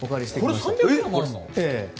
これ３００ｇあるの？